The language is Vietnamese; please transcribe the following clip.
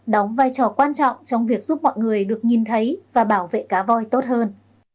đóng vai trò quan trọng trong việc giúp mọi người được nhìn thấy và bảo vệ cá voi tốt hơn